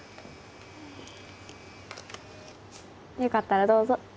よかったらどうぞ。